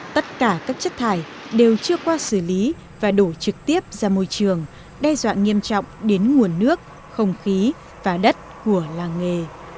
tất cả các chất thải đều chưa qua xử lý và đổ trực tiếp ra môi trường đe dọa nghiêm trọng đến nguồn nước không khí và đất của làng nghề